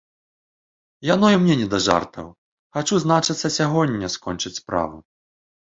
Яно і мне не да жартаў, хачу, значыцца, сягоння скончыць справу.